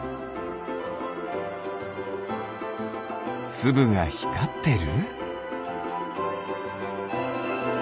つぶがひかってる？